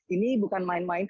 ini bukan main main